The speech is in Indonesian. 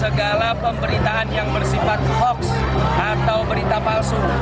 segala pemberitaan yang bersifat hoax atau berita palsu